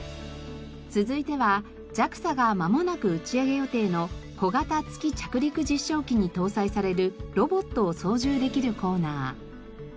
続いてはＪＡＸＡがまもなく打ち上げ予定の小型月着陸実証機に搭載されるロボットを操縦できるコーナー。